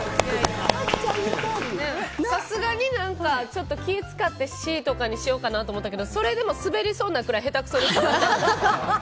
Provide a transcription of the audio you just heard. さすがに気を使ってＣとかにしようかと思ったけどそれでもスベりそうなくらいへたくそでした。